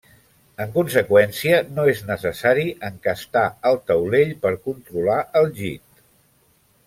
En conseqüència, no és necessari encastar el taulell per controlar el git.